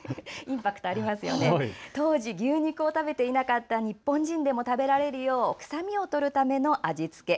当時、牛肉を食べていなかった日本人でも食べられるよう臭みを取るための味付け。